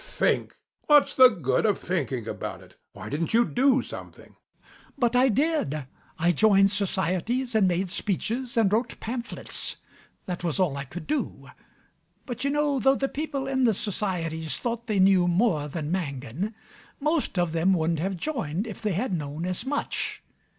HECTOR. Think! What's the good of thinking about it? Why didn't you do something? MAZZINI. But I did. I joined societies and made speeches and wrote pamphlets. That was all I could do. But, you know, though the people in the societies thought they knew more than Mangan, most of them wouldn't have joined if they had known as much.